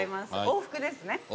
往復です。